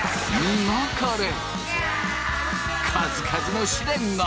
数々の試練が！